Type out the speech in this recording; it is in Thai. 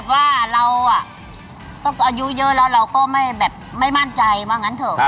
ก็แบบว่าเราอายุเยอะแล้วเราก็ไม่มั่นใจบางอย่างนั้นเถอะ